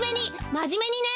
まじめにね！